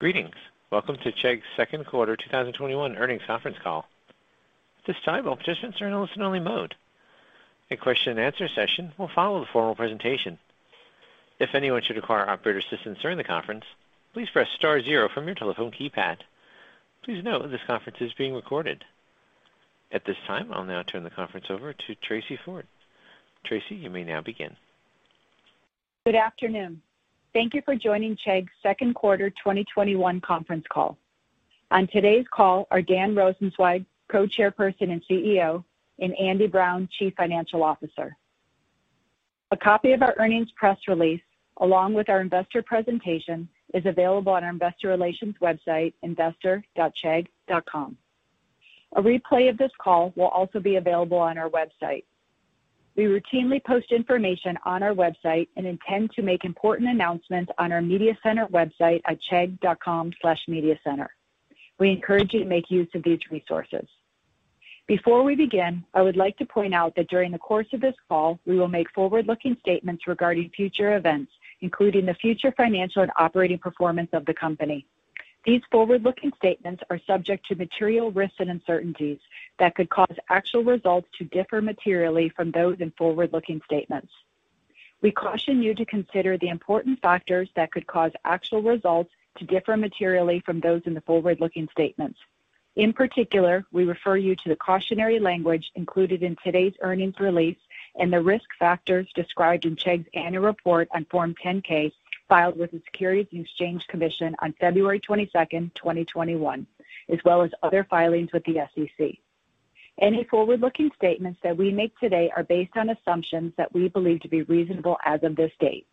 Greetings. Welcome to Chegg's Second Quarter 2021 Earnings Conference Call. At this time, all participants are in a listen-only mode. A question and answer session will follow the formal presentation. If anyone should require operator assistance during the conference press star zero from your telephone keypad. Please note this conference is being recorded. At this time, I'll now turn the conference over to Tracey Ford. Tracey, you may now begin. Good afternoon. Thank you for joining Chegg's Second Quarter 2021 Conference Call. On today's call are Dan Rosensweig, Co-Chairperson and CEO, and Andy Brown, Chief Financial Officer. A copy of our earnings press release, along with our investor presentation, is available on our investor relations website, investor.chegg.com. A replay of this call will also be available on our website. We routinely post information on our website and intend to make important announcements on our media center website at chegg.com/mediacenter. We encourage you to make use of these resources. Before we begin, I would like to point out that during the course of this call, we will make forward-looking statements regarding future events, including the future financial and operating performance of the company. These forward-looking statements are subject to material risks and uncertainties that could cause actual results to differ materially from those in forward-looking statements. We caution you to consider the important factors that could cause actual results to differ materially from those in the forward-looking statements. In particular, we refer you to the cautionary language included in today's earnings release and the risk factors described in Chegg's annual report on Form 10-K filed with the Securities and Exchange Commission on February 22nd, 2021, as well as other filings with the SEC. Any forward-looking statements that we make today are based on assumptions that we believe to be reasonable as of this date.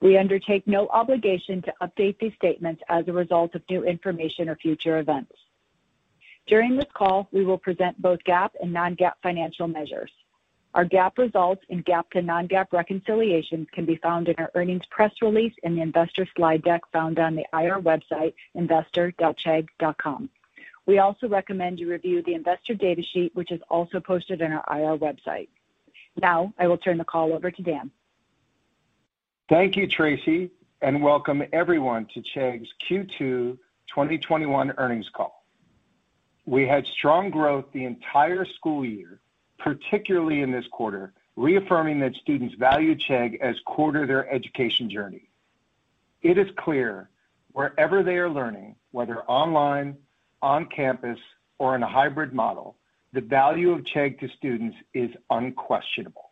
We undertake no obligation to update these statements as a result of new information or future events. During this call, we will present both GAAP and non-GAAP financial measures. Our GAAP results and GAAP to non-GAAP reconciliations can be found in our earnings press release in the investor slide deck found on the IR website, investor.chegg.com. We also recommend you review the investor data sheet, which is also posted on our IR website. Now, I will turn the call over to Dan. Thank you, Tracey, and welcome everyone to Chegg's Q2 2021 earnings call. We had strong growth the entire school year, particularly in this quarter, reaffirming that students value Chegg as core to their education journey. It is clear wherever they are learning, whether online, on campus, or in a hybrid model, the value of Chegg to students is unquestionable.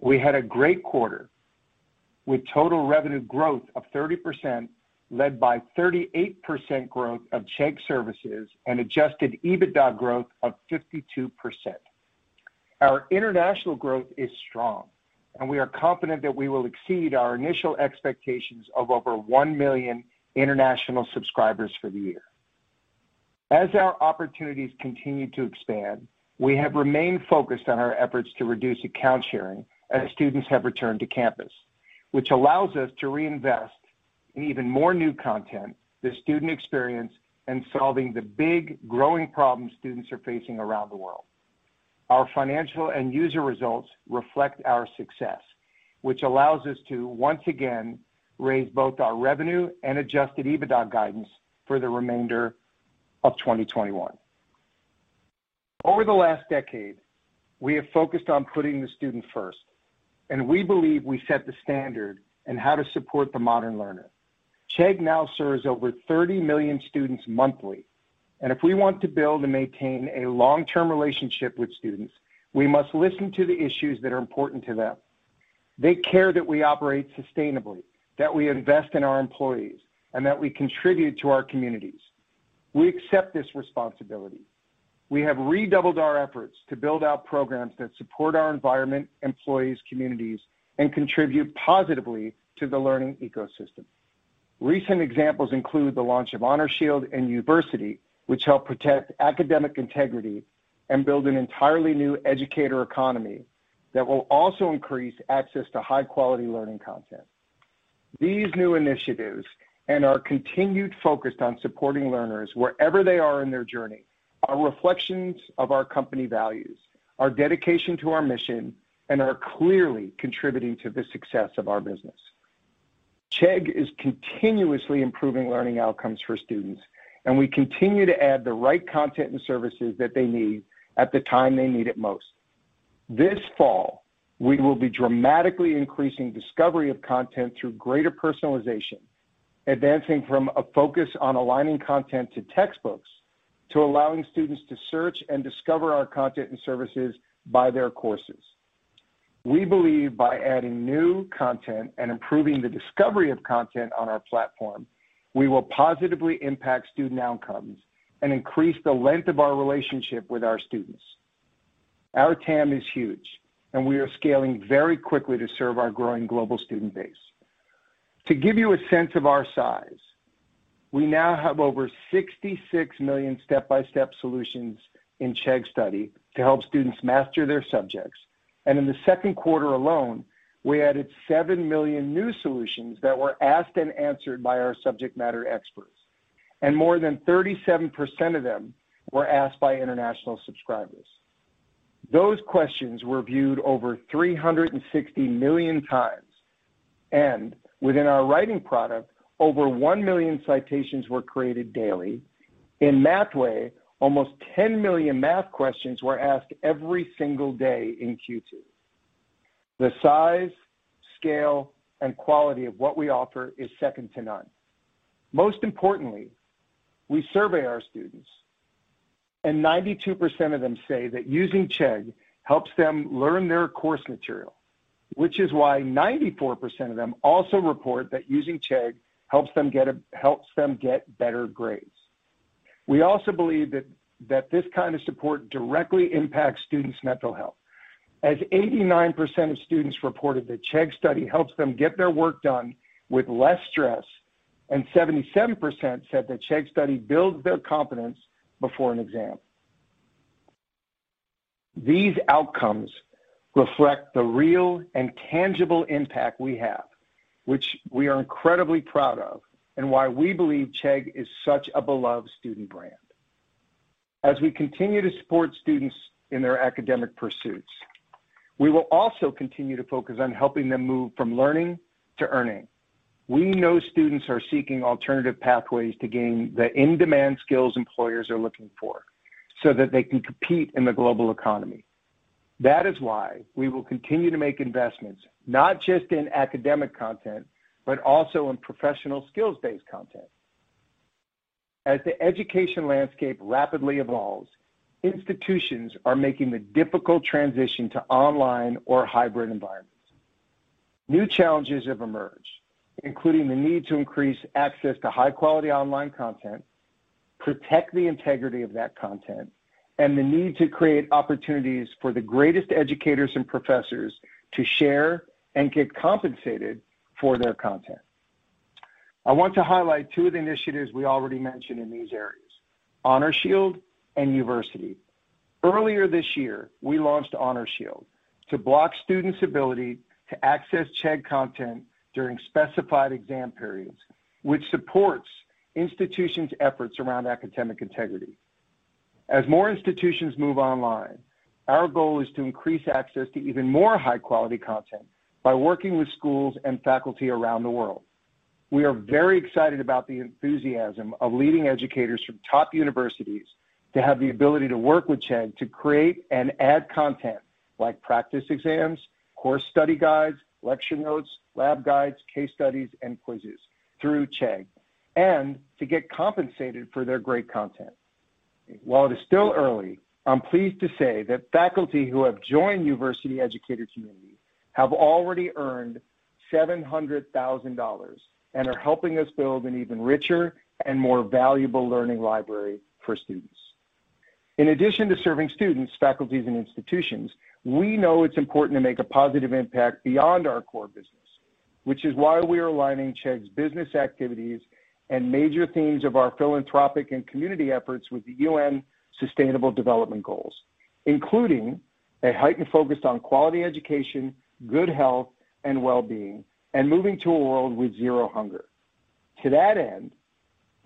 We had a great quarter with total revenue growth of 30%, led by 38% growth of Chegg Services and adjusted EBITDA growth of 52%. Our international growth is strong, and we are confident that we will exceed our initial expectations of over one million international subscribers for the year. As our opportunities continue to expand, we have remained focused on our efforts to reduce account sharing as students have returned to campus, which allows us to reinvest in even more new content, the student experience, and solving the big, growing problems students are facing around the world. Our financial and user results reflect our success, which allows us to once again raise both our revenue and adjusted EBITDA guidance for the remainder of 2021. Over the last decade, we have focused on putting the student first, and we believe we set the standard in how to support the modern learner. Chegg now serves over 30 million students monthly, and if we want to build and maintain a long-term relationship with students, we must listen to the issues that are important to them. They care that we operate sustainably, that we invest in our employees, and that we contribute to our communities. We accept this responsibility. We have redoubled our efforts to build out programs that support our environment, employees, communities, and contribute positively to the learning ecosystem. Recent examples include the launch of Honor Shield and Uversity, which help protect academic integrity and build an entirely new educator economy that will also increase access to high-quality learning content. These new initiatives and our continued focus on supporting learners wherever they are in their journey are reflections of our company values, our dedication to our mission, and are clearly contributing to the success of our business. Chegg is continuously improving learning outcomes for students, and we continue to add the right content and services that they need at the time they need it most. This fall, we will be dramatically increasing discovery of content through greater personalization, advancing from a focus on aligning content to textbooks, to allowing students to search and discover our content and services by their courses. We believe by adding new content and improving the discovery of content on our platform, we will positively impact student outcomes and increase the length of our relationship with our students. Our TAM is huge, and we are scaling very quickly to serve our growing global student base. To give you a sense of our size, we now have over 66 million step-by-step solutions in Chegg Study to help students master their subjects. In the second quarter alone, we added seven million new solutions that were asked and answered by our subject matter experts, and more than 37% of them were asked by international subscribers. Those questions were viewed over 360 million times. Within our writing product, over one million citations were created daily. In Mathway, almost 10 million math questions were asked every single day in Q2. The size, scale, and quality of what we offer is second to none. Most importantly, we survey our students, and 92% of them say that using Chegg helps them learn their course material, which is why 94% of them also report that using Chegg helps them get better grades. We also believe that this kind of support directly impacts students' mental health, as 89% of students reported that Chegg Study helps them get their work done with less stress, and 77% said that Chegg Study builds their confidence before an exam. These outcomes reflect the real and tangible impact we have, which we are incredibly proud of, and why we believe Chegg is such a beloved student brand. As we continue to support students in their academic pursuits, we will also continue to focus on helping them move from learning to earning. We know students are seeking alternative pathways to gain the in-demand skills employers are looking for so that they can compete in the global economy. That is why we will continue to make investments, not just in academic content, but also in professional skills-based content. As the education landscape rapidly evolves, institutions are making the difficult transition to online or hybrid environments. New challenges have emerged, including the need to increase access to high-quality online content, protect the integrity of that content, and the need to create opportunities for the greatest educators and professors to share and get compensated for their content. I want to highlight two of the initiatives we already mentioned in these areas: Honor Shield and Uversity. Earlier this year, we launched Honor Shield to block students' ability to access Chegg content during specified exam periods, which supports institutions' efforts around academic integrity. As more institutions move online, our goal is to increase access to even more high-quality content by working with schools and faculty around the world. We are very excited about the enthusiasm of leading educators from top universities to have the ability to work with Chegg to create and add content like practice exams, course study guides, lecture notes, lab guides, case studies, and quizzes through Chegg, and to get compensated for their great content. While it is still early, I'm pleased to say that faculty who have joined Uversity educator community have already earned $700,000 and are helping us build an even richer and more valuable learning library for students. In addition to serving students, faculties, and institutions, we know it's important to make a positive impact beyond our core business, which is why we're aligning Chegg's business activities and major themes of our philanthropic and community efforts with the UN Sustainable Development Goals, including a heightened focus on quality education, good health and well-being, and moving to a world with zero hunger. To that end,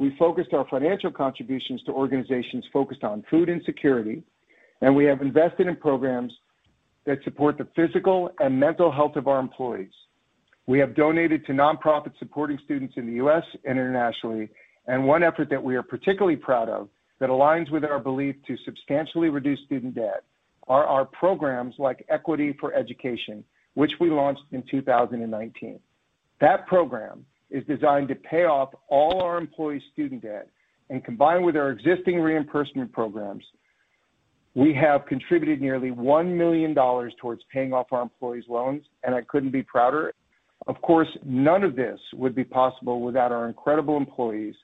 we focused our financial contributions to organizations focused on food insecurity, we have invested in programs that support the physical and mental health of our employees. We have donated to nonprofits supporting students in the U.S. and internationally. One effort that we are particularly proud of that aligns with our belief to substantially reduce student debt are our programs like Equity for Education, which we launched in 2019. That program is designed to pay off all our employees' student debt. Combined with our existing reimbursement programs, we have contributed nearly $1 million towards paying off our employees' loans, and I couldn't be prouder. Of course, none of this would be possible without our incredible employees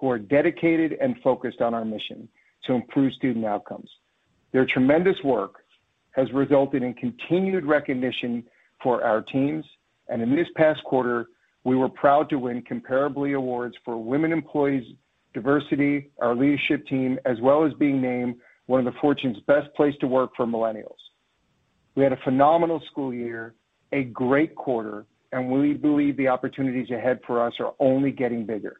who are dedicated and focused on our mission to improve student outcomes. Their tremendous work has resulted in continued recognition for our teams. In this past quarter, we were proud to win Comparably awards for women employees, diversity, our leadership team, as well as being named one of the Fortune's Best Place to Work for Millennials. We had a phenomenal school year, a great quarter, and we believe the opportunities ahead for us are only getting bigger.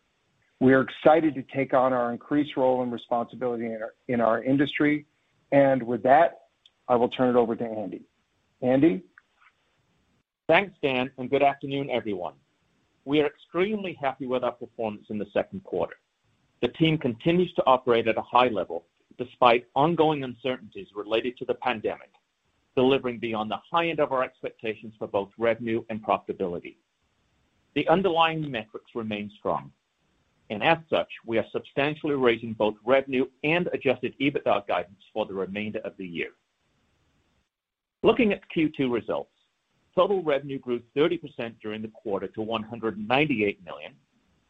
We are excited to take on our increased role and responsibility in our industry. With that, I will turn it over to Andy. Andy? Thanks, Dan. Good afternoon, everyone. We are extremely happy with our performance in the second quarter. The team continues to operate at a high level despite ongoing uncertainties related to the pandemic, delivering beyond the high end of our expectations for both revenue and profitability. The underlying metrics remain strong. As such, we are substantially raising both revenue and adjusted EBITDA guidance for the remainder of the year. Looking at Q2 results, total revenue grew 30% during the quarter to $198 million,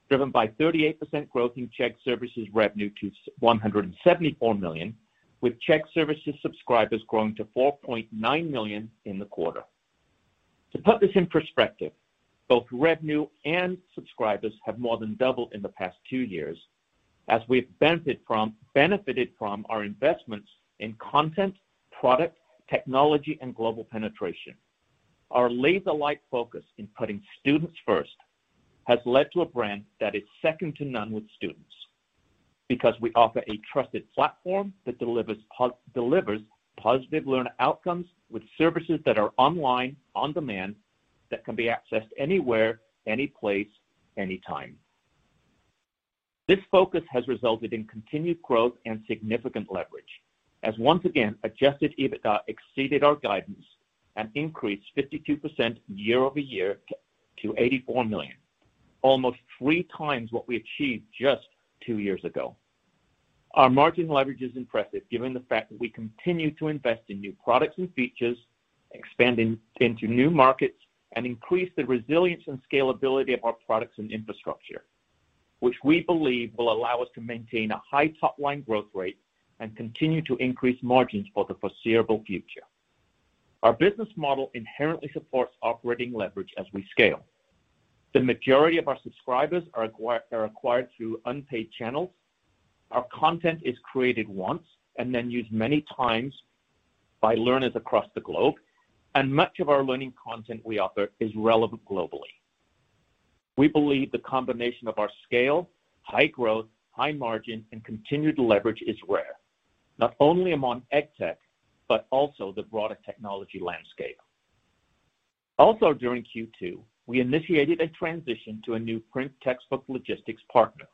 driven by 38% growth in Chegg Services revenue to $174 million, with Chegg Services subscribers growing to 4.9 million in the quarter. To put this in perspective, both revenue and subscribers have more than doubled in the past two years as we've benefited from our investments in content, product, technology, and global penetration. Our laser-like focus in putting students first has led to a brand that is second to none with students. We offer a trusted platform that delivers positive learner outcomes with services that are online, on-demand, that can be accessed anywhere, any place, any time. This focus has resulted in continued growth and significant leverage as once again, adjusted EBITDA exceeded our guidance and increased 52% year-over-year to $84 million, almost three times what we achieved just two years ago. Our margin leverage is impressive given the fact that we continue to invest in new products and features, expanding into new markets, and increase the resilience and scalability of our products and infrastructure, which we believe will allow us to maintain a high top-line growth rate and continue to increase margins for the foreseeable future. Our business model inherently supports operating leverage as we scale. The majority of our subscribers are acquired through unpaid channels. Our content is created once and then used many times by learners across the globe, and much of our learning content we offer is relevant globally. We believe the combination of our scale, high growth, high margin, and continued leverage is rare, not only among ed tech, but also the broader technology landscape. Also during Q2, we initiated a transition to a new print textbook logistics partner,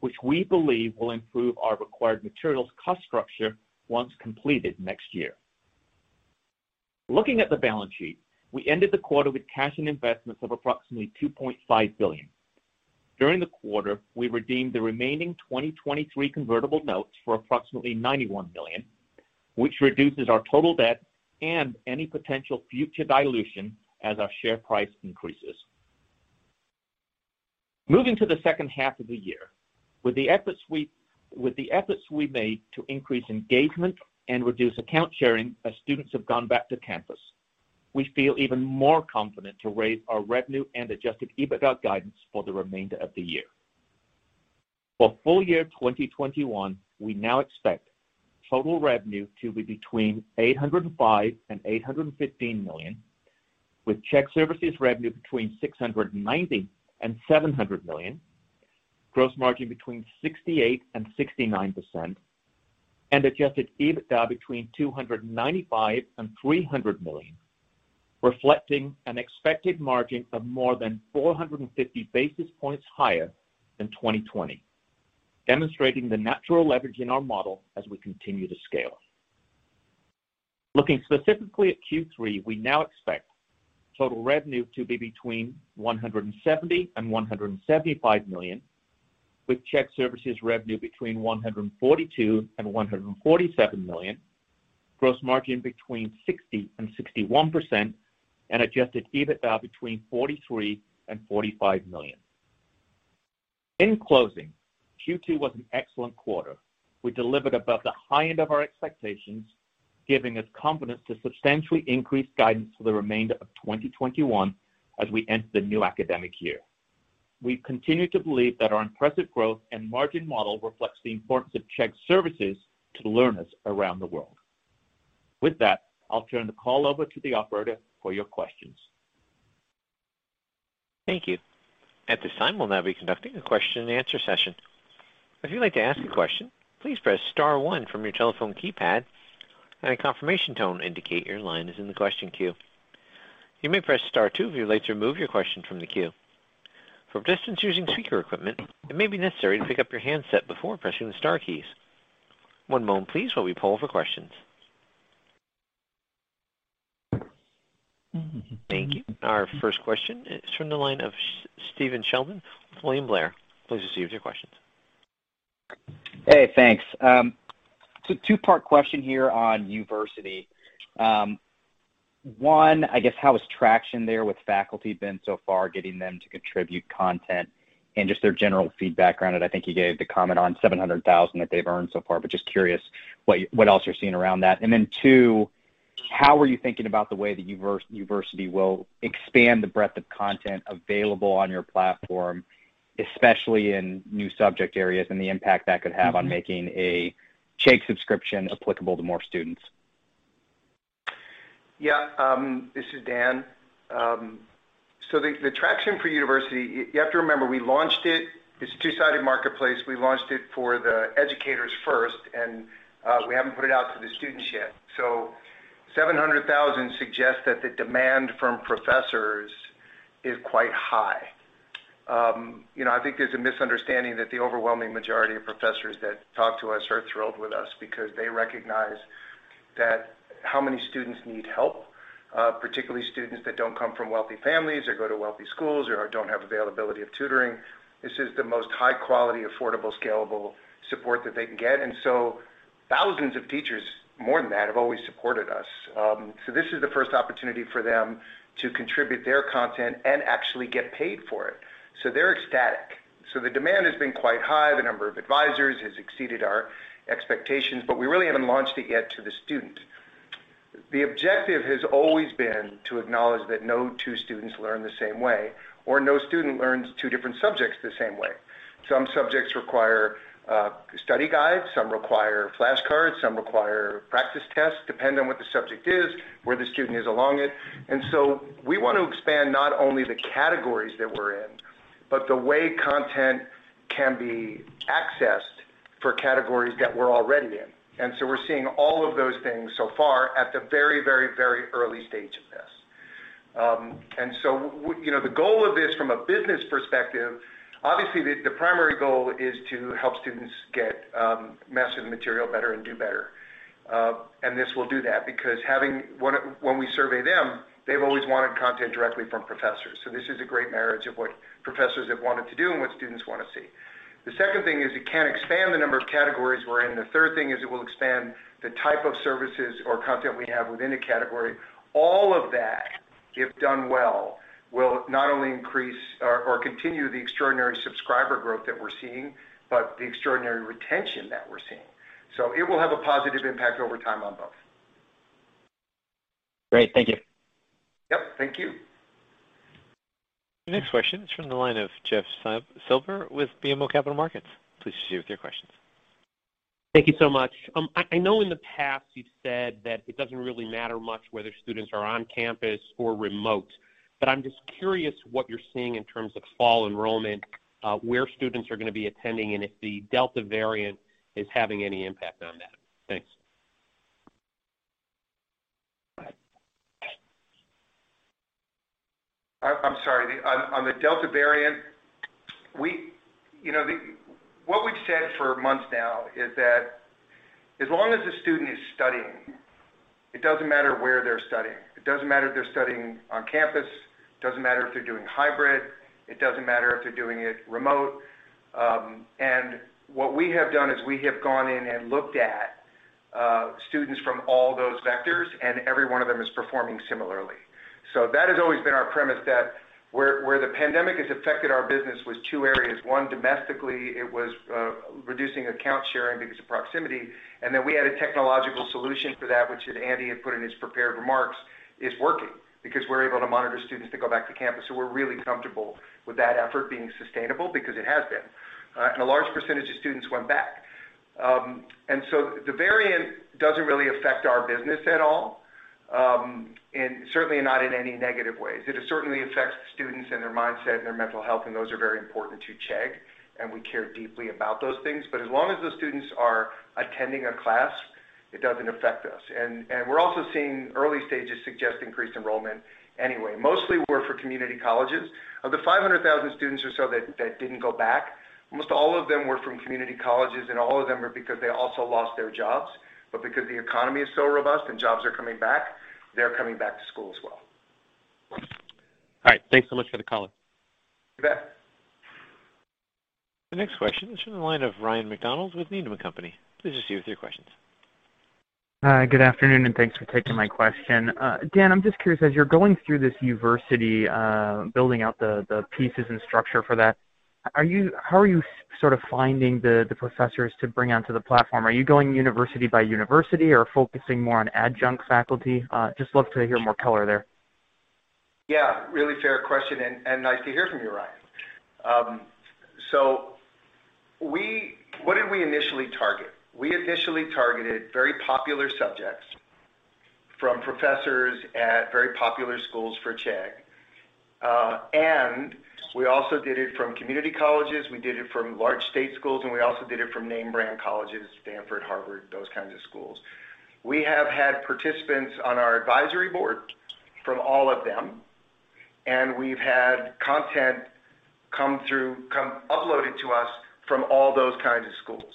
which we believe will improve our required materials cost structure once completed next year. Looking at the balance sheet, we ended the quarter with cash and investments of approximately $2.5 billion. During the quarter, we redeemed the remaining 2023 convertible notes for approximately $91 million, which reduces our total debt and any potential future dilution as our share price increases. Moving to the second half of the year. With the efforts we made to increase engagement and reduce account sharing as students have gone back to campus, we feel even more confident to raise our revenue and adjusted EBITDA guidance for the remainder of the year. For full year 2021, we now expect total revenue to be between $805 million and $815 million, with Chegg Services revenue between $690 million and $700 million, gross margin between 68% and 69%, and adjusted EBITDA between $295 million and $300 million, reflecting an expected margin of more than 450 basis points higher than 2020, demonstrating the natural leverage in our model as we continue to scale. Looking specifically at Q3, we now expect total revenue to be between $170 million and $175 million, with Chegg Services revenue between $142 million and $147 million, gross margin between 60% and 61%, and adjusted EBITDA between $43 million and $45 million. In closing, Q2 was an excellent quarter. We delivered above the high end of our expectations, giving us confidence to substantially increase guidance for the remainder of 2021 as we enter the new academic year. We continue to believe that our impressive growth and margin model reflects the importance of Chegg Services to learners around the world. With that, I'll turn the call over to the operator for your questions. Thank you. At this time, we'll now be conducting a question and answer session. If you'd like to ask a question, please press star one from your telephone keypad and a confirmation tone indicate your line is in the question queue. You may press star two if you would like to remove your question from the queue. For persons using speaker equipment, it may be necessary to pick up your handset before pressing the star keys. One moment, please, while we poll for questions. Thank you. Our first question is from the line of Stephen Sheldon with William Blair. Please proceed with your questions. Hey, thanks. Two-part question here on Uversity. One, I guess how has traction there with faculty been so far, getting them to contribute content and just their general feedback around it? I think you gave the comment on $700,000 that they've earned so far, but just curious what else you're seeing around that. Two how are you thinking about the way that Uversity will expand the breadth of content available on your platform, especially in new subject areas, and the impact that could have on making a Chegg subscription applicable to more students? Yeah. This is Dan. The traction for Uversity, you have to remember we launched it's a two-sided marketplace. We launched it for the educators first, we haven't put it out to the students yet. 700,000 suggests that the demand from professors is quite high. I think there's a misunderstanding that the overwhelming majority of professors that talk to us are thrilled with us because they recognize that how many students need help, particularly students that don't come from wealthy families or go to wealthy schools or don't have availability of tutoring. This is the most high quality, affordable, scalable support that they can get. Thousands of teachers, more than that, have always supported us. This is the first opportunity for them to contribute their content and actually get paid for it. They're ecstatic. The demand has been quite high. The number of advisors has exceeded our expectations. We really haven't launched it yet to the student. The objective has always been to acknowledge that no two students learn the same way or no student learns two different subjects the same way. Some subjects require a study guide, some require flashcards, some require practice tests, depend on what the subject is, where the student is along it. We want to expand not only the categories that we're The way content can be accessed for categories that we're already in. We're seeing all of those things so far at the very early stage of this. The goal of this from a business perspective, obviously the primary goal is to help students get master the material better and do better. This will do that because when we survey them, they've always wanted content directly from professors. This is a great marriage of what professors have wanted to do and what students want to see. The second thing is it can expand the number of categories we're in. The third thing is it will expand the type of services or content we have within a category. All of that, if done well, will not only increase or continue the extraordinary subscriber growth that we're seeing, but the extraordinary retention that we're seeing. It will have a positive impact over time on both. Great. Thank you. Yep. Thank you. The next question is from the line of Jeff Silber with BMO Capital Markets. Please proceed with your questions. Thank you so much. I know in the past you've said that it doesn't really matter much whether students are on campus or remote, but I'm just curious what you're seeing in terms of fall enrollment, where students are going to be attending, and if the Delta variant is having any impact on that. Thanks. I'm sorry. On the Delta variant, what we've said for months now is that as long as a student is studying, it doesn't matter where they're studying. It doesn't matter if they're studying on campus, it doesn't matter if they're doing hybrid, it doesn't matter if they're doing it remote. What we have done is we have gone in and looked at students from all those vectors, and every one of them is performing similarly. That has always been our premise, that where the pandemic has affected our business was two areas. One, domestically, it was reducing account sharing because of proximity. We had a technological solution for that, which Andy had put in his prepared remarks, is working because we're able to monitor students that go back to campus. We're really comfortable with that effort being sustainable because it has been. A large percentage of students went back. The variant doesn't really affect our business at all, and certainly not in any negative ways. It certainly affects students and their mindset and their mental health, and those are very important to Chegg, and we care deeply about those things. As long as those students are attending a class, it doesn't affect us. We're also seeing early stages suggest increased enrollment anyway. Mostly were for community colleges. Of the 500,000 students or so that didn't go back, almost all of them were from community colleges, and all of them were because they also lost their jobs. Because the economy is so robust and jobs are coming back, they're coming back to school as well. All right. Thanks so much for the call. You bet. The next question is from the line of Ryan MacDonald with Needham & Company. Please proceed with your questions. Hi. Good afternoon, and thanks for taking my question. Dan, I'm just curious, as you're going through this Uversity building out the pieces and structure for that, how are you finding the professors to bring onto the platform? Are you going university by university or focusing more on adjunct faculty? Just love to hear more color there. Yeah, really fair question, and nice to hear from you, Ryan. What did we initially target? We initially targeted very popular subjects from professors at very popular schools for Chegg. We also did it from community colleges, we did it from large state schools, and we also did it from name brand colleges, Stanford, Harvard, those kinds of schools. We have had participants on our advisory board from all of them, and we've had content uploaded to us from all those kinds of schools.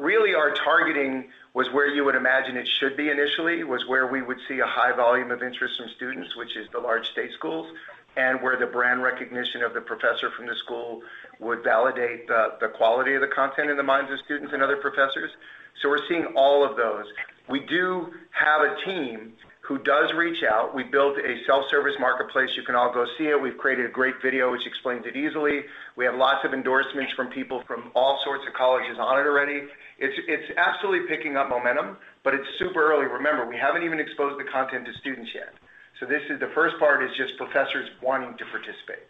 Really our targeting was where you would imagine it should be initially, was where we would see a high volume of interest from students, which is the large state schools, and where the brand recognition of the professor from the school would validate the quality of the content in the minds of students and other professors. We're seeing all of those. We do have a team who does reach out. We built a self-service marketplace. You can all go see it. We've created a great video which explains it easily. We have lots of endorsements from people from all sorts of colleges on it already. It's absolutely picking up momentum, but it's super early. Remember, we haven't even exposed the content to students yet. The first part is just professors wanting to participate.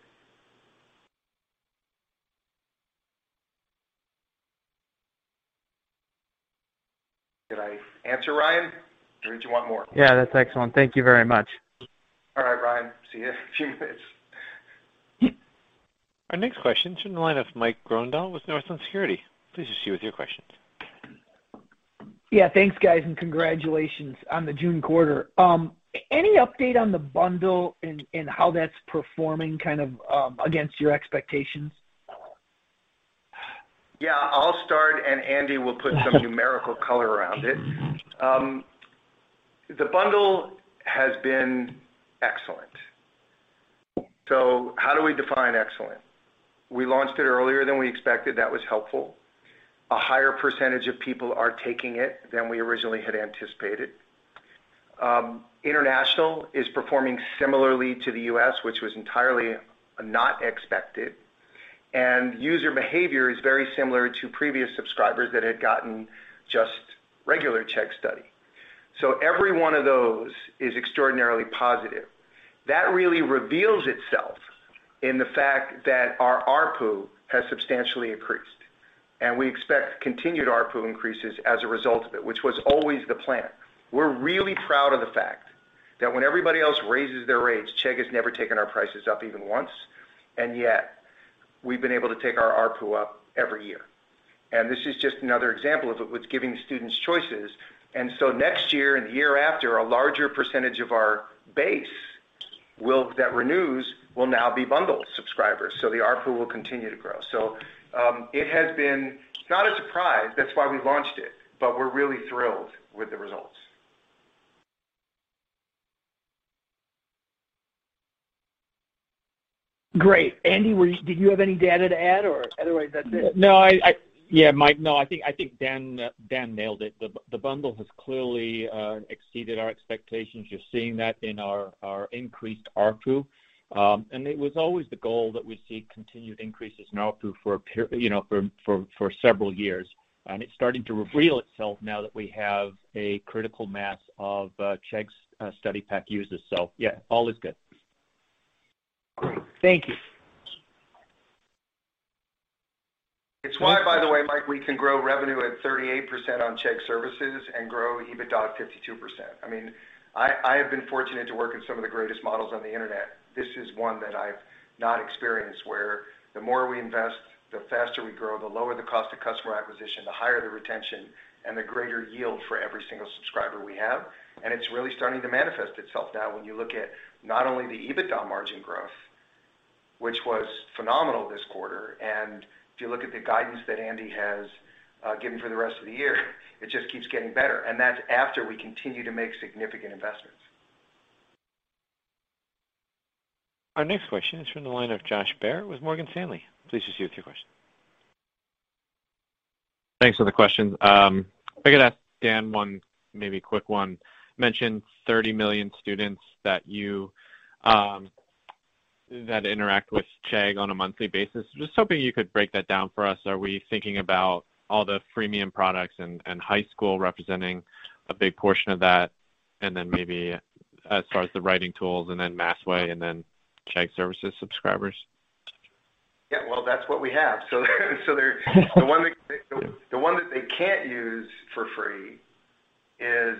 Did I answer, Ryan, or did you want more? Yeah, that's excellent. Thank you very much. All right, Ryan. See you in a few weeks. Our next question's from the line of Mike Grondahl with Northland Securities. Please proceed with your questions. Yeah, thanks, guys, and congratulations on the June quarter. Any update on the bundle and how that's performing against your expectations? Yeah, I'll start, and Andy will put some numerical color around it. The bundle has been excellent. How do we define excellent? We launched it earlier than we expected. That was helpful. A higher percentage of people are taking it than we originally had anticipated. International is performing similarly to the U.S., which was entirely not expected, and user behavior is very similar to previous subscribers that had gotten just regular Chegg Study. Every one of those is extraordinarily positive. That really reveals itself in the fact that our ARPU has substantially increased. We expect continued ARPU increases as a result of it, which was always the plan. We're really proud of the fact that when everybody else raises their rates, Chegg has never taken our prices up even once, and yet we've been able to take our ARPU up every year. This is just another example of it, with giving students choices. Next year and the year after, a larger percentage of our base that renews will now be bundled subscribers. The ARPU will continue to grow. It has been not a surprise, that's why we launched it, but we're really thrilled with the results. Great. Andy, did you have any data to add or otherwise that's it? No, Mike, I think Dan nailed it. The bundle has clearly exceeded our expectations. You're seeing that in our increased ARPU. It was always the goal that we see continued increases in ARPU for several years, and it's starting to reveal itself now that we have a critical mass of Chegg Study Pack users. Yeah, all is good. Great. Thank you. It's why, by the way, Mike, we can grow revenue at 38% on Chegg Services and grow EBITDA at 52%. I have been fortunate to work in some of the greatest models on the internet. This is one that I've not experienced, where the more we invest, the faster we grow, the lower the cost of customer acquisition, the higher the retention, and the greater yield for every single subscriber we have. It's really starting to manifest itself now when you look at not only the EBITDA margin growth, which was phenomenal this quarter, and if you look at the guidance that Andy has given for the rest of the year, it just keeps getting better. That's after we continue to make significant investments. Our next question is from the line of Josh Baer with Morgan Stanley. Please proceed with your question. Thanks for the question. If I could ask Dan one maybe quick one. You mentioned 30 million students that interact with Chegg on a monthly basis. I'm just hoping you could break that down for us. Are we thinking about all the freemium products and high school representing a big portion of that? Maybe as far as the writing tools and then Mathway and then Chegg Services subscribers? Yeah, well, that's what we have. The one that they can't use for free is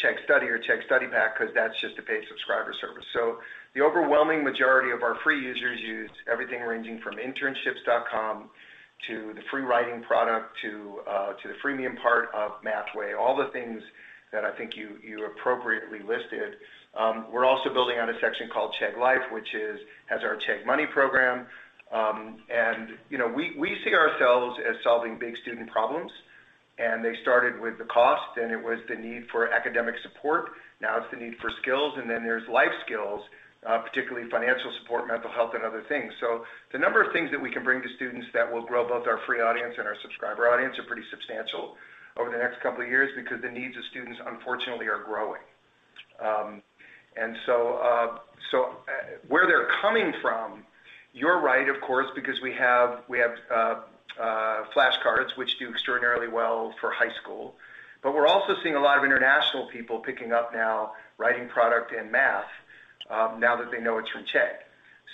Chegg Study or Chegg Study Pack because that's just a paid subscriber service. The overwhelming majority of our free users use everything ranging from internships.com to the free writing product to the freemium part of Mathway, all the things that I think you appropriately listed. We're also building out a section called Chegg Life, which has our Chegg Money program. We see ourselves as solving big student problems. They started with the cost, then it was the need for academic support. Now it's the need for skills, and then there's life skills, particularly financial support, mental health, and other things. The number of things that we can bring to students that will grow both our free audience and our subscriber audience are pretty substantial over the next couple of years because the needs of students, unfortunately, are growing. Where they're coming from, you're right, of course, because we have flashcards, which do extraordinarily well for high school. We're also seeing a lot of international people picking up now writing product and math now that they know it's from Chegg.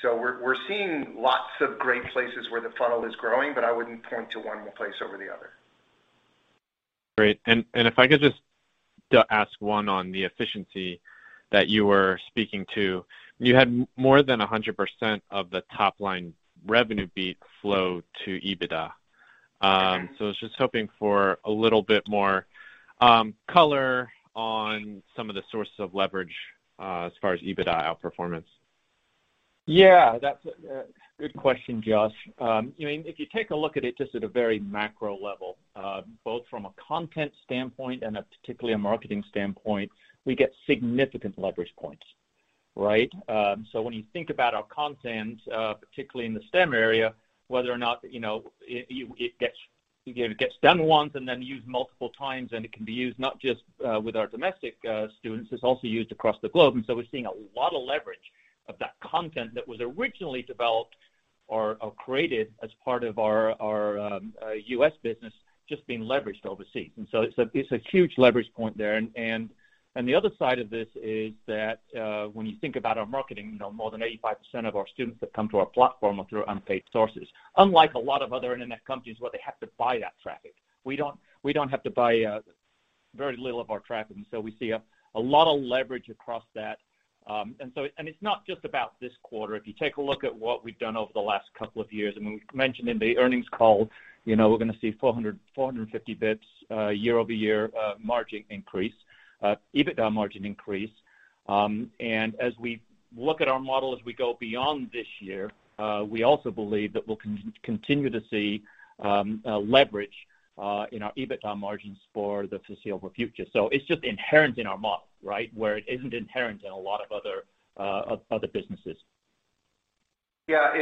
We're seeing lots of great places where the funnel is growing, but I wouldn't point to one place over the other. Great. If I could just ask one on the efficiency that you were speaking to. You had more than 100% of the top-line revenue beat flow to EBITDA. I was just hoping for a little bit more color on some of the sources of leverage as far as EBITDA outperformance. Yeah, that's a good question, Josh. If you take a look at it just at a very macro level, both from a content standpoint and particularly a marketing standpoint, we get significant leverage points, right? When you think about our content, particularly in the STEM area, whether or not it gets done once and then used multiple times, and it can be used not just with our domestic students, it's also used across the globe. We're seeing a lot of leverage of that content that was originally developed or created as part of our U.S. business just being leveraged overseas. It's a huge leverage point there. The other side of this is that when you think about our marketing, more than 85% of our students that come to our platform are through unpaid sources. Unlike a lot of other internet companies where they have to buy that traffic. We don't have to buy very little of our traffic, we see a lot of leverage across that. It's not just about this quarter. If you take a look at what we've done over the last couple of years, we mentioned in the earnings call we're going to see 450 basis points year-over-year margin increase, EBITDA margin increase. As we look at our model, as we go beyond this year, we also believe that we'll continue to see leverage in our EBITDA margins for the foreseeable future. It's just inherent in our model, where it isn't inherent in a lot of other businesses. Yeah.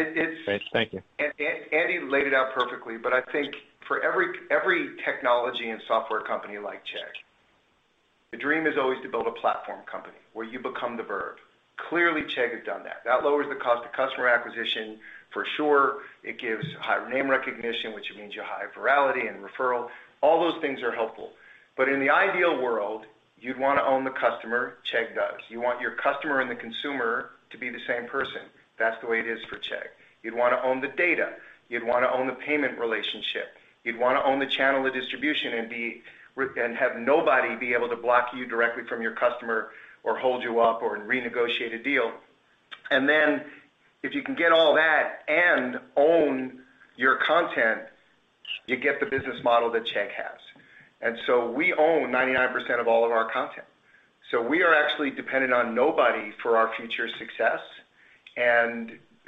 Thank you. Andy laid it out perfectly. I think for every technology and software company like Chegg, the dream is always to build a platform company where you become the verb. Clearly, Chegg has done that. That lowers the cost of customer acquisition for sure. It gives higher name recognition, which means you have higher virality and referral. All those things are helpful. In the ideal world, you'd want to own the customer. Chegg does. You want your customer and the consumer to be the same person. That's the way it is for Chegg. You'd want to own the data. You'd want to own the payment relationship. You'd want to own the channel of distribution and have nobody be able to block you directly from your customer or hold you up or renegotiate a deal. Then if you can get all that and own your content, you get the business model that Chegg has. So we own 99% of all of our content. We are actually dependent on nobody for our future success.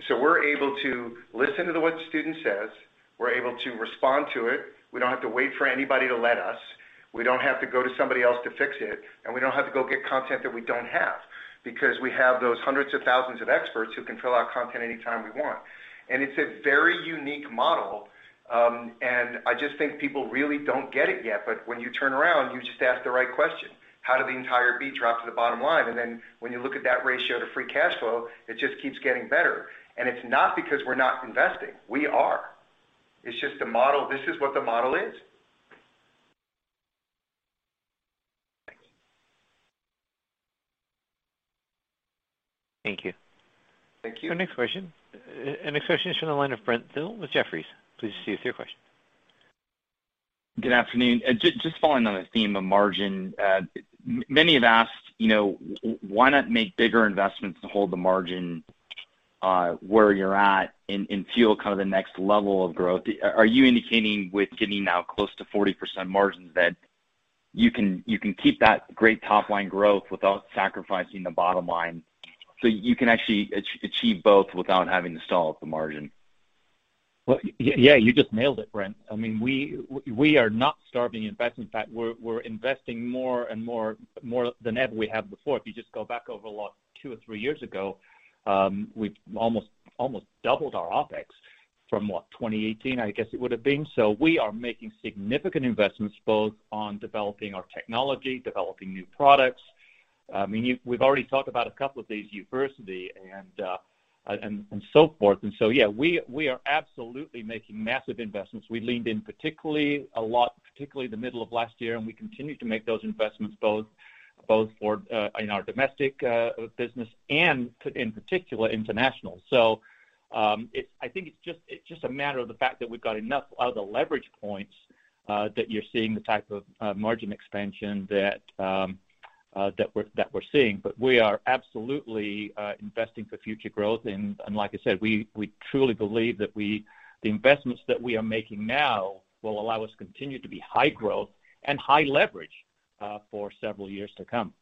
So we're able to listen to what the student says. We're able to respond to it. We don't have to wait for anybody to let us, we don't have to go to somebody else to fix it, and we don't have to go get content that we don't have, because we have those hundreds of thousands of experts who can fill out content any time we want. It's a very unique model. I just think people really don't get it yet. When you turn around, you just ask the right question, how do the entire EBITDA drop to the bottom line? When you look at that ratio to free cash flow, it just keeps getting better. It's not because we're not investing. We are. It's just this is what the model is. Thank you. Thank you. Our next question is from the line of Brent Thill with Jefferies. Please proceed with your question. Good afternoon. Just following on the theme of margin. Many have asked why not make bigger investments to hold the margin where you're at and fuel the next level of growth? Are you indicating with getting now close to 40% margins that you can keep that great top-line growth without sacrificing the bottom line? You can actually achieve both without having to stall at the margin? Well, yeah. You just nailed it, Brent. We are not starving investment. In fact, we're investing more than ever we have before. If you just go back over two or three years ago, we've almost doubled our OpEx from, what, 2018, I guess it would have been. We are making significant investments both on developing our technology, developing new products. We've already talked about a couple of these, Uversity and so forth. Yeah, we are absolutely making massive investments. We leaned in particularly a lot, particularly the middle of last year, and we continue to make those investments both in our domestic business and in particular international. I think it's just a matter of the fact that we've got enough of the leverage points that you're seeing the type of margin expansion that we're seeing. We are absolutely investing for future growth. Like I said, we truly believe that the investments that we are making now will allow us to continue to be high growth and high leverage for several years to come.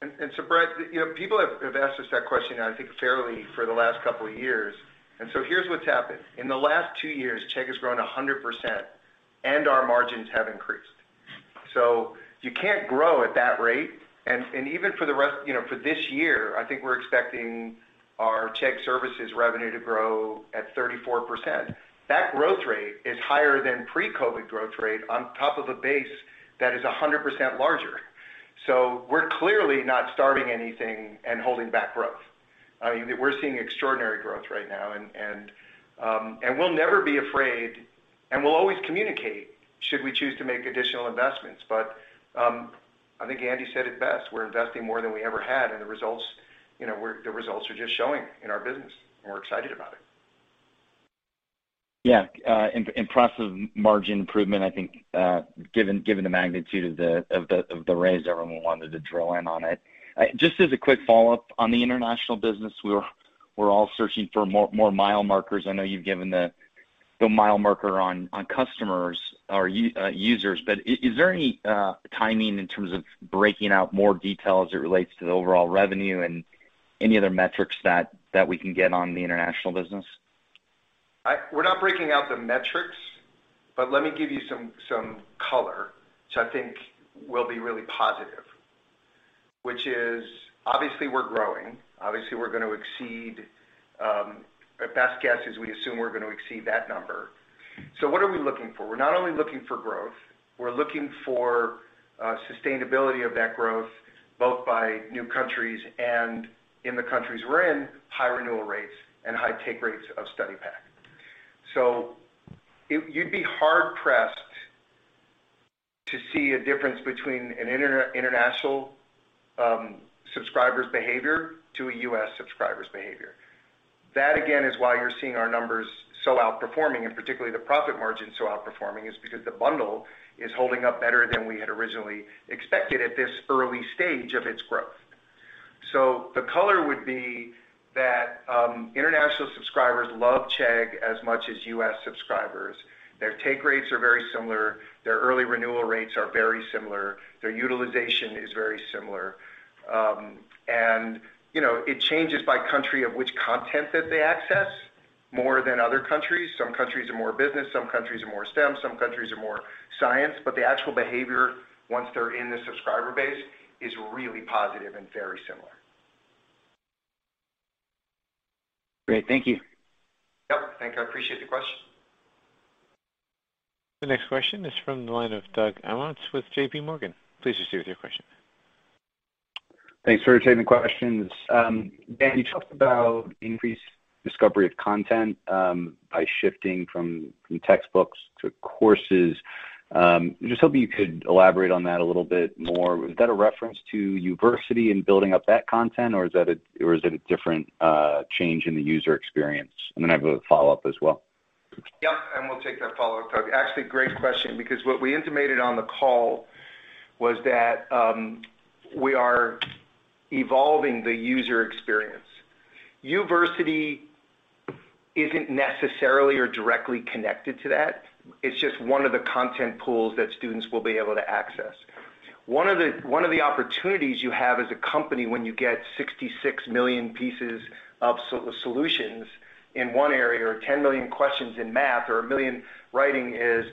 Brent, people have asked us that question, I think, fairly for the last couple of years. Here's what's happened. In the last two years, Chegg has grown 100% and our margins have increased. You can't grow at that rate. Even for this year, I think we're expecting our Chegg Services revenue to grow at 34%. That growth rate is higher than pre-COVID growth rate on top of a base that is 100% larger. We're clearly not starving anything and holding back growth. We're seeing extraordinary growth right now, and we'll never be afraid, and we'll always communicate should we choose to make additional investments. I think Andy said it best. We're investing more than we ever had, and the results are just showing in our business, and we're excited about it. Yeah. Impressive margin improvement, I think, given the magnitude of the raise, everyone wanted to drill in on it. Just as a quick follow-up on the international business, we're all searching for more mile markers. I know you've given the mile marker on customers or users, but is there any timing in terms of breaking out more detail as it relates to the overall revenue and any other metrics that we can get on the international business? We're not breaking out the metrics, but let me give you some color, which I think will be really positive, which is obviously we're growing. Obviously our best guess is we assume we're going to exceed that number. What are we looking for? We're not only looking for growth, we're looking for sustainability of that growth both by new countries and in the countries we're in, high renewal rates and high take rates of Study Pack. You'd be hard-pressed to see a difference between an international subscriber's behavior to a U.S. subscriber's behavior. That, again, is why you're seeing our numbers so outperforming, and particularly the profit margin so outperforming is because the bundle is holding up better than we had originally expected at this early stage of its growth. The color would be that international subscribers love Chegg as much as U.S. subscribers. Their take rates are very similar. Their early renewal rates are very similar. Their utilization is very similar. It changes by country of which content that they access more than other countries. Some countries are more business, some countries are more STEM, some countries are more science. The actual behavior once they're in the subscriber base is really positive and very similar. Great. Thank you. Yep. Thank you. I appreciate the question. The next question is from the line of Doug Anmuth with JPMorgan. Please proceed with your question. Thanks for taking the questions. Dan, you talked about increased discovery of content by shifting from textbooks to courses. I'm just hoping you could elaborate on that a little bit more. Was that a reference to Uversity and building up that content, or is it a different change in the user experience? Then I have a follow-up as well. Yep. We'll take that follow-up, Doug. Actually, great question because what we intimated on the call was that we are evolving the user experience. Uversity isn't necessarily or directly connected to that. It's just one of the content pools that students will be able to access. One of the opportunities you have as a company when you get 66 million pieces of solutions in one area, or 10 million questions in math, or one million writing is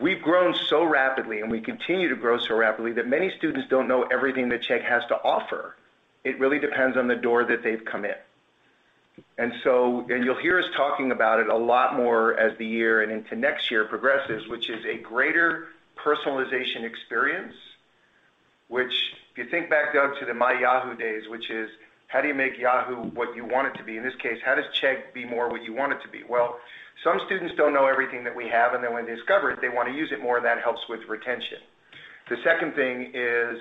we've grown so rapidly, we continue to grow so rapidly, that many students don't know everything that Chegg has to offer. It really depends on the door that they've come in. You'll hear us talking about it a lot more as the year and into next year progresses, which is a greater personalization experience. If you think back, Doug, to the My Yahoo days, which is how do you make Yahoo what you want it to be? In this case, how does Chegg be more what you want it to be? Well, some students don't know everything that we have, and then when they discover it, they want to use it more. That helps with retention. The second thing is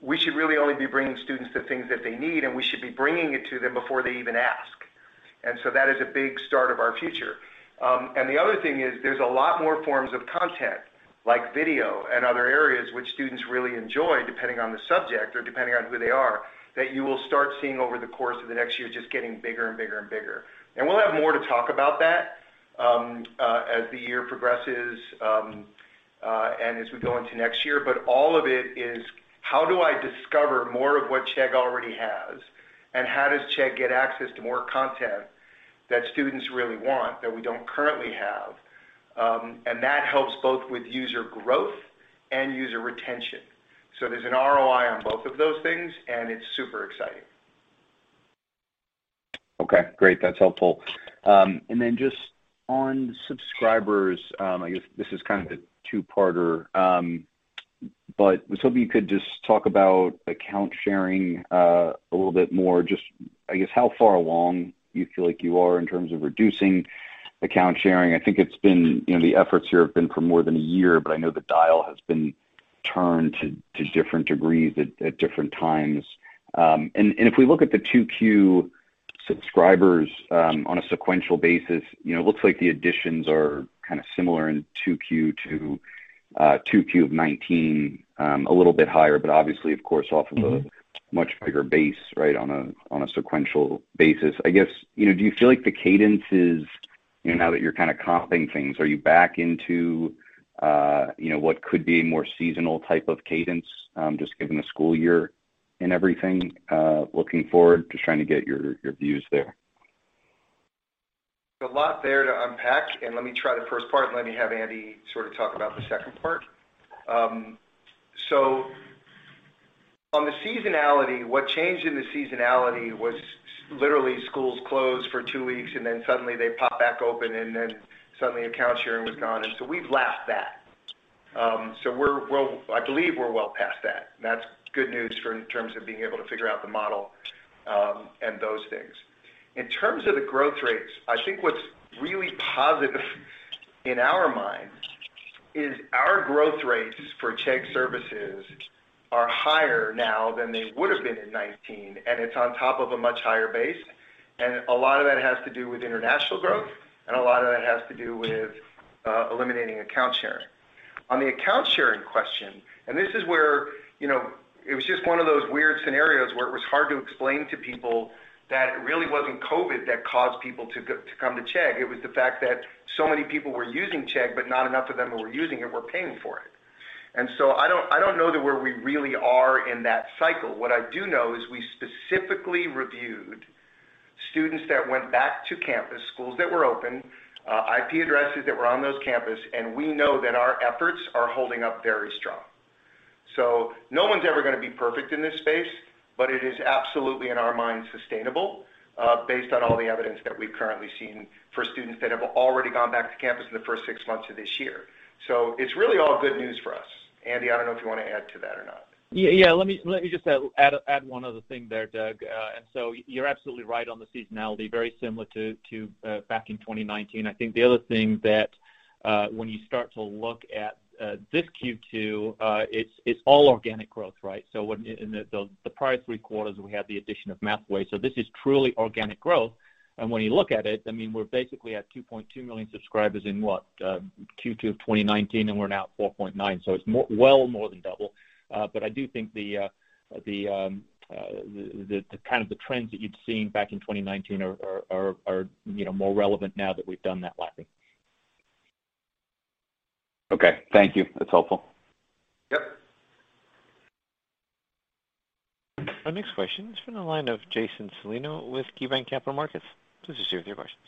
we should really only be bringing students the things that they need, and we should be bringing it to them before they even ask. That is a big start of our future. The other thing is there's a lot more forms of content, like video and other areas which students really enjoy, depending on the subject or depending on who they are, that you will start seeing over the course of the next year, just getting bigger and bigger and bigger. We'll have more to talk about that as the year progresses, and as we go into next year. All of it is how do I discover more of what Chegg already has, and how does Chegg get access to more content that students really want that we don't currently have? That helps both with user growth and user retention. There's an ROI on both of those things, and it's super exciting. Okay, great. That's helpful. Then just on subscribers, I guess this is kind of a two-parter. I was hoping you could just talk about account sharing a little bit more. Just, I guess, how far along you feel like you are in terms of reducing account sharing. I think the efforts here have been for more than a year, but I know the dial has been turned to different degrees at different times. If we look at the 2Q subscribers on a sequential basis, it looks like the additions are kind of similar in 2Q-2Q of 2019. A little bit higher, but obviously, of course, off of a much bigger base on a sequential basis. I guess, do you feel like the cadence is, now that you're kind of comping things, are you back into what could be a more seasonal type of cadence, just given the school year and everything looking forward? Just trying to get your views there. There's a lot there to unpack. Let me try the first part. Let me have Andy sort of talk about the second part. On the seasonality, what changed in the seasonality was literally schools closed for two weeks. Suddenly they pop back open. Suddenly account sharing was gone. We've lapped that. I believe we're well past that. That's good news in terms of being able to figure out the model and those things. In terms of the growth rates, I think what's really positive in our minds is our growth rates for Chegg Services are higher now than they would've been in 2019. It's on top of a much higher base. A lot of that has to do with international growth. A lot of that has to do with eliminating account sharing. On the account sharing question, this is where it was just one of those weird scenarios where it was hard to explain to people that it really wasn't COVID that caused people to come to Chegg. It was the fact that so many people were using Chegg, not enough of them who were using it were paying for it. I don't know that where we really are in that cycle. What I do know is we specifically reviewed students that went back to campus, schools that were open, IP addresses that were on those campus, and we know that our efforts are holding up very strong. No one's ever going to be perfect in this space, but it is absolutely, in our minds, sustainable based on all the evidence that we've currently seen for students that have already gone back to campus in the first six months of this year. It's really all good news for us. Andy, I don't know if you want to add to that or not. Yeah. Let me just add one other thing there, Doug. You're absolutely right on the seasonality, very similar to back in 2019. I think the other thing that when you start to look at this Q2, it's all organic growth, right? In the prior three quarters, we had the addition of Mathway. This is truly organic growth. When you look at it, I mean, we're basically at 2.2 million subscribers in what? Q2 of 2019, and we're now at 4.9 million. It's well more than double. I do think the trends that you'd seen back in 2019 are more relevant now that we've done that lapping. Okay. Thank you. That's helpful. Yep. Our next question is from the line of Jason Celino with KeyBanc Capital Markets. Please proceed with your questions.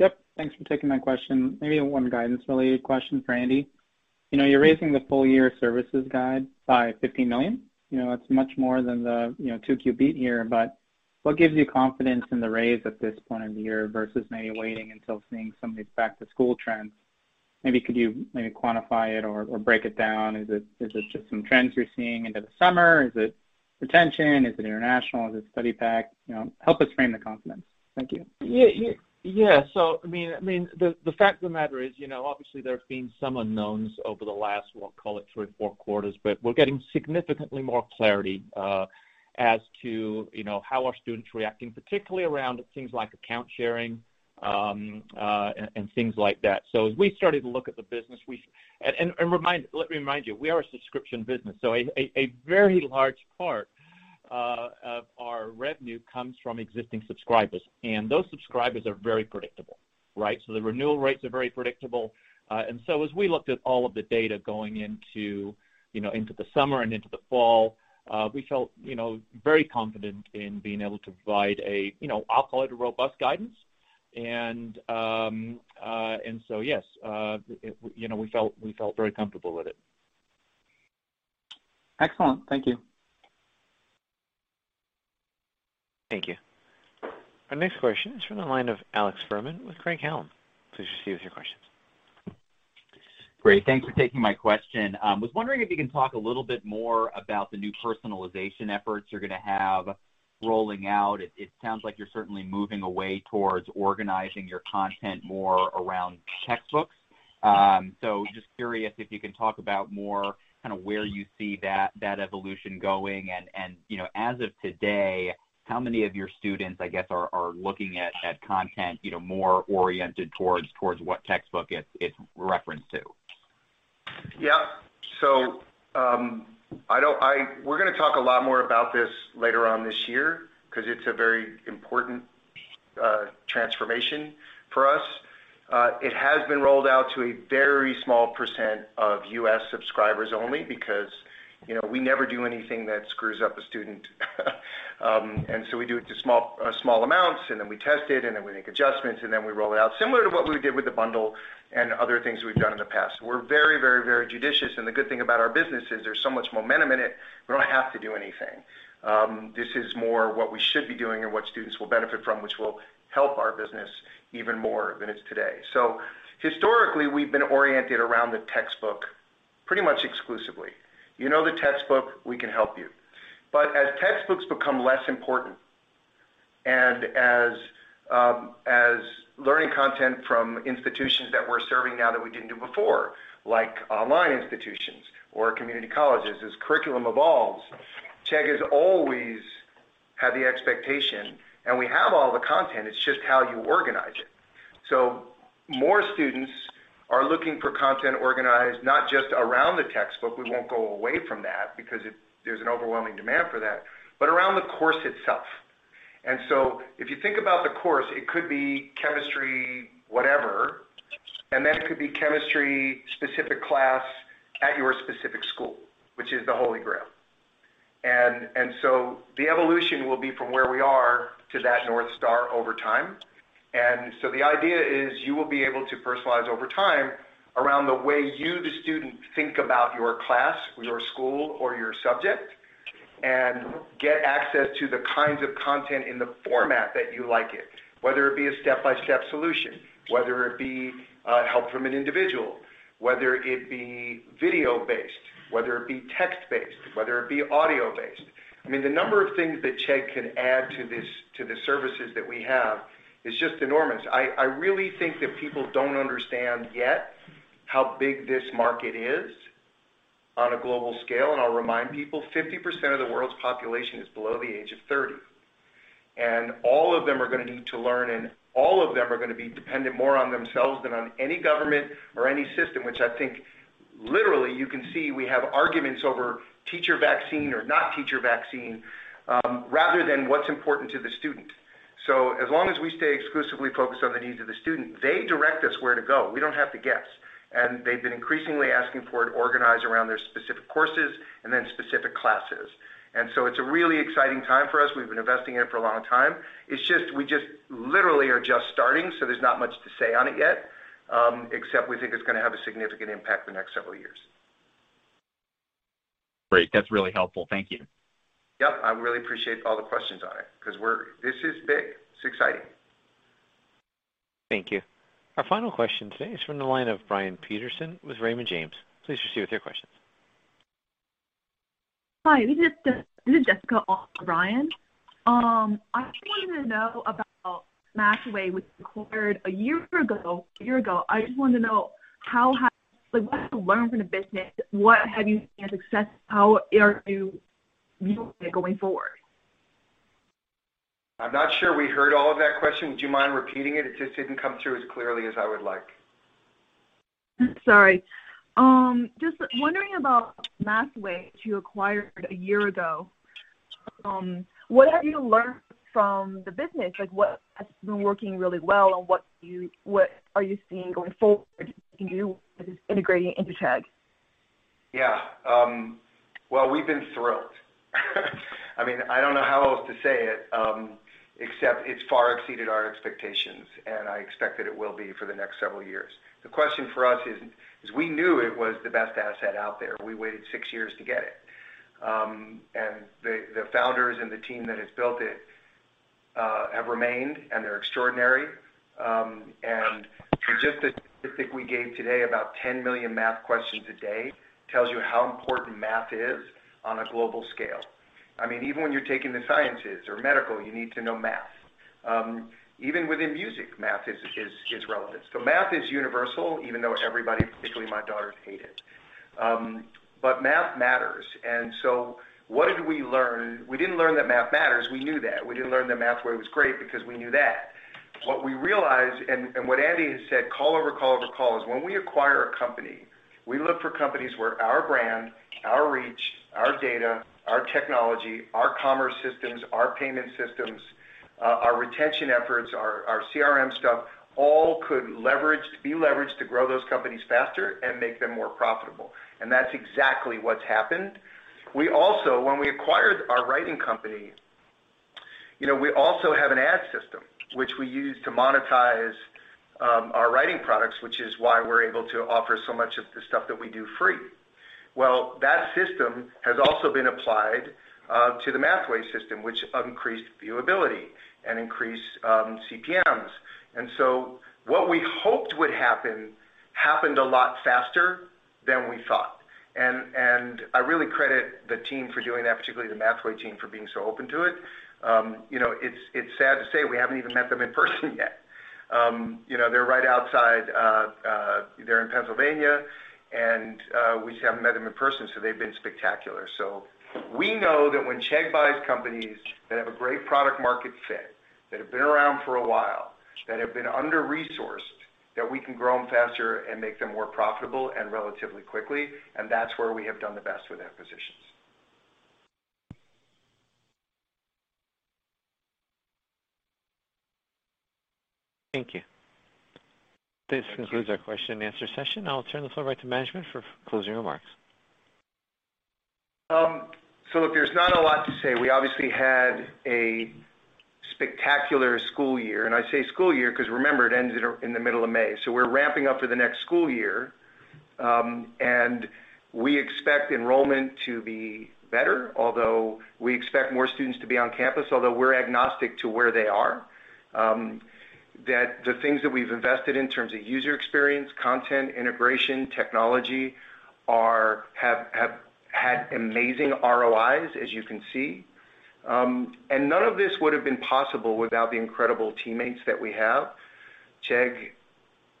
Yep. Thanks for taking my question. Maybe one guidance-related question for Andy. You're raising the full-year services guide by $15 million. That's much more than the two Q2 here, what gives you confidence in the raise at this point in the year versus maybe waiting until seeing some of these back-to-school trends? Maybe could you quantify it or break it down? Is it just some trends you're seeing into the summer? Is it retention? Is it international? Is it Study Pack? Help us frame the confidence. Thank you. The fact of the matter is obviously there have been some unknowns over the last, we'll call it three, four quarters, but we're getting significantly more clarity as to how are students reacting, particularly around things like account sharing, and things like that. As we started to look at the business, and let me remind you, we are a subscription business, so a very large part of our revenue comes from existing subscribers, and those subscribers are very predictable, right? The renewal rates are very predictable. As we looked at all of the data going into the summer and into the fall, we felt very confident in being able to provide, I'll call it, a robust guidance. Yes, we felt very comfortable with it. Excellent. Thank you. Thank you. Our next question is from the line of Alex Fuhrman with Craig-Hallum. Please proceed with your questions. Great. Thanks for taking my question. I was wondering if you can talk a little bit more about the new personalization efforts you're going to have rolling out. It sounds like you're certainly moving away towards organizing your content more around textbooks. Just curious if you can talk about more where you see that evolution going and, as of today, how many of your students, I guess, are looking at content more oriented towards what textbook it's referenced to? Yeah. We're going to talk a lot more about this later on this year because it's a very important transformation for us. It has been rolled out to a very small % of U.S. subscribers only because we never do anything that screws up a student. We do it to small amounts, then we test it, then we make adjustments, then we roll it out, similar to what we did with the bundle and other things we've done in the past. We're very judicious, and the good thing about our business is there's so much momentum in it, we don't have to do anything. This is more what we should be doing and what students will benefit from, which will help our business even more than it's today. Historically, we've been oriented around the textbook pretty much exclusively. You know the textbook, we can help you. As textbooks become less important, and as learning content from institutions that we're serving now that we didn't do before, like online institutions or community colleges, as curriculum evolves, Chegg has always had the expectation, and we have all the content, it's just how you organize it. More students are looking for content organized, not just around the textbook, we won't go away from that because there's an overwhelming demand for that, but around the course itself. If you think about the course, it could be chemistry whatever, then it could be chemistry specific class at your specific school, which is the Holy Grail. The evolution will be from where we are to that North Star over time. The idea is you will be able to personalize over time around the way you, the student, think about your class, your school, or your subject, and get access to the kinds of content in the format that you like it, whether it be a step-by-step solution, whether it be help from an individual, whether it be video-based, whether it be text-based, whether it be audio-based. The number of things that Chegg can add to the services that we have is just enormous. I really think that people don't understand yet how big this market is on a global scale. I'll remind people, 50% of the world's population is below the age of 30. All of them are going to need to learn, and all of them are going to be dependent more on themselves than on any government or any system, which I think literally you can see we have arguments over teacher vaccine or not teacher vaccine, rather than what's important to the student. As long as we stay exclusively focused on the needs of the student, they direct us where to go. We don't have to guess. They've been increasingly asking for it organized around their specific courses and then specific classes. It's a really exciting time for us. We've been investing in it for a long time. It's just we just literally are just starting, so there's not much to say on it yet, except we think it's going to have a significant impact the next several years. Great. That's really helpful. Thank you. Yep. I really appreciate all the questions on it because this is big. It's exciting. Thank you. Our final question today is from the line of Brian Peterson with Raymond James. Please proceed with your questions. Hi, this is Jessica on for Brian. I just wanted to know about Mathway, which you acquired a year ago. I just wanted to know what have you learned from the business? What have you seen as success? How are you using it going forward? I'm not sure we heard all of that question. Would you mind repeating it? It just didn't come through as clearly as I would like. Sorry. Just wondering about Mathway, which you acquired a year ago. What have you learned from the business? Like what has been working really well, and what are you seeing going forward you can do with this integrating into Chegg? Yeah. Well, we've been thrilled. I don't know how else to say it, except it's far exceeded our expectations, and I expect that it will be for the next several years. The question for us is, we knew it was the best asset out there. We waited six years to get it. The founders and the team that has built it have remained, and they're extraordinary. Just the statistic we gave today, about 10 million math questions a day, tells you how important math is on a global scale. Even when you're taking the sciences or medical, you need to know math. Even within music, math is relevant. Math is universal, even though everybody, particularly my daughters, hate it. Math matters. What did we learn? We didn't learn that math matters. We knew that. We didn't learn that Mathway was great because we knew that. What we realized and what Andy has said call over call over call, is when we acquire a company, we look for companies where our brand, our reach, our data, our technology, our commerce systems, our payment systems, our retention efforts, our CRM stuff, all could be leveraged to grow those companies faster and make them more profitable. That's exactly what's happened. When we acquired our writing company, we also have an ad system, which we use to monetize our writing products, which is why we're able to offer so much of the stuff that we do free. That system has also been applied to the Mathway system, which increased view-ability and increased CPMs. What we hoped would happen, happened a lot faster than we thought. I really credit the team for doing that, particularly the Mathway team, for being so open to it. It's sad to say we haven't even met them in person yet. They're right outside. They're in Pennsylvania, and we just haven't met them in person, so they've been spectacular. We know that when Chegg buys companies that have a great product-market fit, that have been around for a while, that have been under-resourced, that we can grow them faster and make them more profitable and relatively quickly, and that's where we have done the best with acquisitions. Thank you. This concludes our question and answer session. I'll turn the floor over to management for closing remarks. Look, there's not a lot to say. We obviously had a spectacular school year, and I say school year because remember, it ends in the middle of May. We're ramping up for the next school year. We expect enrollment to be better, although we expect more students to be on campus, although we're agnostic to where they are. That the things that we've invested in terms of user experience, content, integration, technology, have had amazing ROIs, as you can see. None of this would've been possible without the incredible teammates that we have. Chegg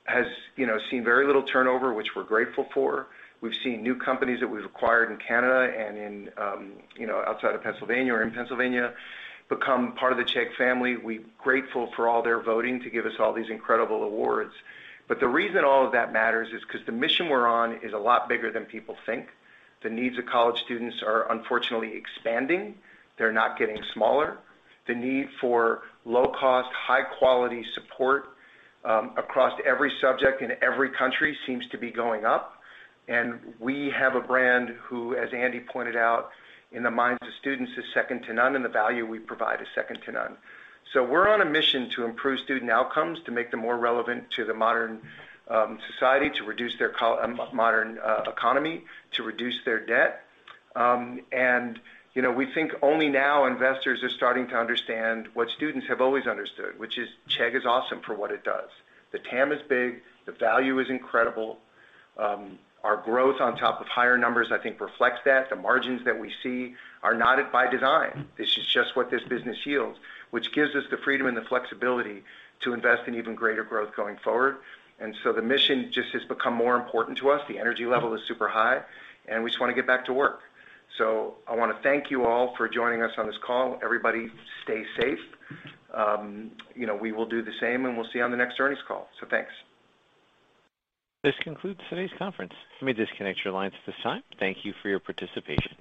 has seen very little turnover, which we're grateful for. We've seen new companies that we've acquired in Canada and outside of Pennsylvania or in Pennsylvania, become part of the Chegg family. We're grateful for all their voting to give us all these incredible awards. The reason all of that matters is because the mission we're on is a lot bigger than people think. The needs of college students are unfortunately expanding. They're not getting smaller. The need for low-cost, high-quality support, across every subject in every country seems to be going up. We have a brand who, as Andy pointed out, in the minds of students is second to none, and the value we provide is second to none. We're on a mission to improve student outcomes, to make them more relevant to the modern society, to reduce their modern economy, to reduce their debt. We think only now investors are starting to understand what students have always understood, which is Chegg is awesome for what it does. The TAM is big. The value is incredible. Our growth on top of higher numbers, I think reflects that. The margins that we see are not by design. This is just what this business yields, which gives us the freedom and the flexibility to invest in even greater growth going forward. The mission just has become more important to us. The energy level is super high, and we just want to get back to work. I want to thank you all for joining us on this call. Everybody, stay safe. We will do the same, and we'll see you on the next earnings call. Thanks. This concludes today's conference. You may disconnect your lines at this time. Thank you for your participation.